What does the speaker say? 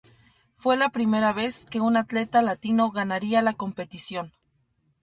Fue la primera vez que un atleta latino ganaría la competición.